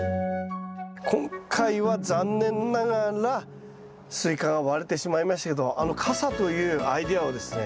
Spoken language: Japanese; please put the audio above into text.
今回は残念ながらスイカが割れてしまいましたけどあの傘というアイデアはですね